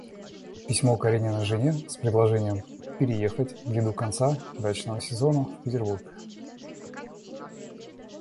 Письмо Каренина жене с предложением переехать, в виду конца дачного сезона, в Петербург.